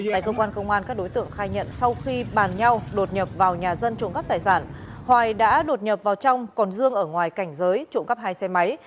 tại cơ quan công an các đối tượng khai nhận sau khi bàn nhau đột nhập vào nhà dân trộm cắp tài sản hoài đã đột nhập vào trong còn dương ở ngoài cảnh giới trộm cắp hai xe máy